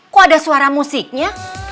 kok ada suara musiknya